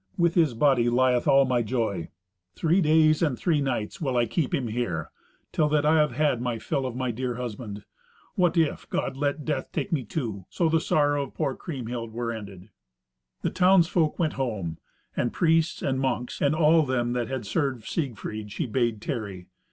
With his body lieth all my joy. Three days and three nights will I keep him here, till that I have had my fill of my dear husband. What if God let death take me too? So the sorrow of poor Kriemhild were ended." The townsfolk went home; and priests, and monks, and all them that had served Siegfried, she bade tarry.